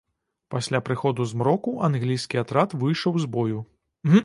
Пасля прыходу змроку англійскі атрад выйшаў з бою.